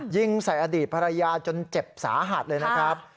ยิงใส่อดีตภรรยาจนเจ็บสาหัสเลยนะครับ